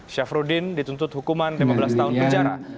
syafruddin dituntut hukuman lima belas tahun penjara